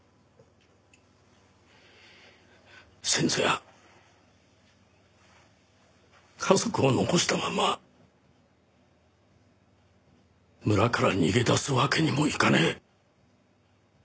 先祖や家族を残したまんま村から逃げ出すわけにもいかねえ。